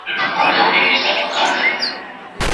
دی ممکن د ځان وژنې پرېکړه وکړي.